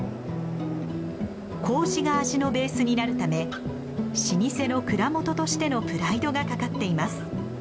糀が味のベースになるため老舗の蔵元としてのプライドがかかっています。